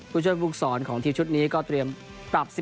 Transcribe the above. ผู้ช่วยปลูกศรของทีมชุดนี้ก็เตรียมตับ๑๑คนแรก